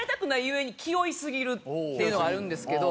っていうのがあるんですけど。